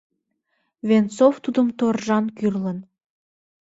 Венцов тудым торжан кӱрлын: